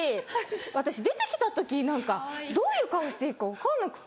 私出てきた時何かどういう顔していいか分かんなくて。